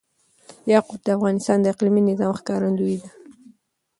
یاقوت د افغانستان د اقلیمي نظام ښکارندوی ده.